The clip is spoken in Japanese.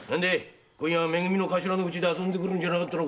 今夜はめ組で遊んでくるんじゃなかったのか？